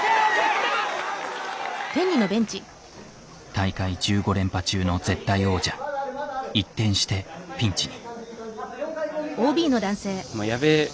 大会１５連覇中の絶対王者一転してピンチに。